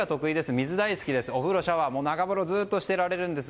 水大好きですお風呂、シャワーも長風呂もずっとしていられるんです。